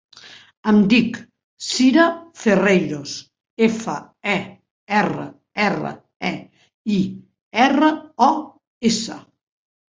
Em dic Cira Ferreiros: efa, e, erra, erra, e, i, erra, o, essa.